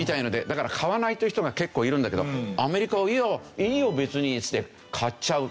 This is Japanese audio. だから買わないという人が結構いるんだけどアメリカは「いやいいよ別に」っつって買っちゃう。